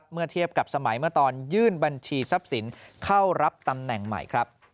เมื่อเทียบกับสมัยเมื่อตอนยื่นบัญชีทรัพย์สินเข้ารับตำแหน่งใหม่ครับ